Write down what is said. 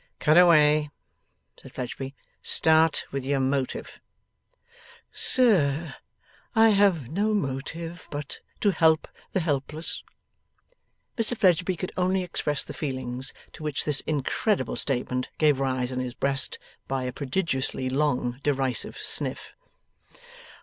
'Cut away,' said Fledgeby. 'Start with your motive.' 'Sir, I have no motive but to help the helpless.' Mr Fledgeby could only express the feelings to which this incredible statement gave rise in his breast, by a prodigiously long derisive sniff.